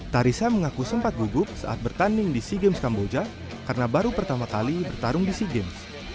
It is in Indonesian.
tarisa mengaku sempat gugup saat bertanding di sea games kamboja karena baru pertama kali bertarung di sea games